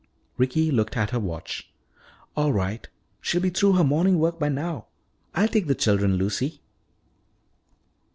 Ricky looked at her watch. "All right. She'll be through her morning work by now. I'll take the children, Lucy."